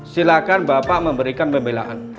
silahkan bapak memberikan pembelaan